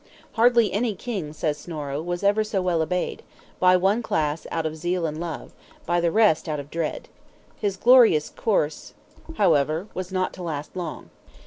"Hardly any king," says Snorro, "was ever so well obeyed; by one class out of zeal and love, by the rest out of dread." His glorious course, however, was not to last long.